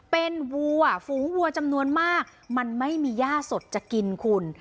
เป็นวัวฝูงวัวจำนวนมากมันไม่มีย่าสดจะกินคุณ